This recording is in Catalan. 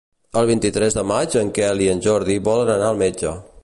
El vint-i-tres de maig en Quel i en Jordi volen anar al metge.